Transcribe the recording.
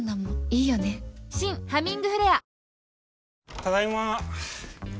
ただいま。